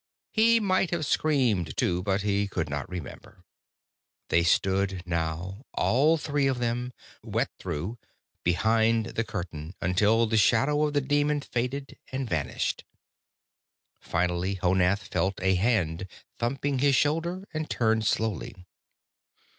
He might have screamed, too; he could not remember. They stood now, all three of them, wet through, behind the curtain until the shadow of the demon faded and vanished. Finally Honath felt a hand thumping his shoulder, and turned slowly.